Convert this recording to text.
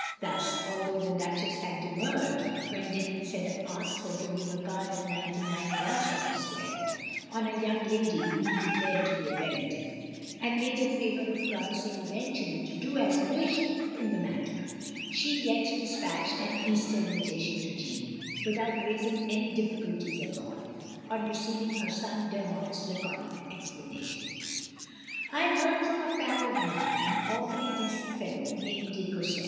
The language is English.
Thus, although the Duchess had demurred when Denis had asked her to leave a card at 99 Grdsvenor Square, on a young lady whom he declared to be a relative; and made a favour of promising eventually to do as he wished in the matter — ^she yet despatched an Easter invita tion to Jeanne, without raising any difficulties at all, on receiving her son Dermot's laconic explanation. " I 've heard from a pal of mine — an awfully decent fellow — ^name de Courset.